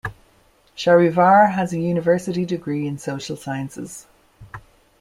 Shahrivar has a university degree in social sciences.